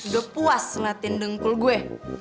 gue puas ngeliatin dengkul gue